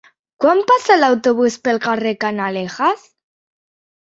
Quan passa l'autobús pel carrer Canalejas?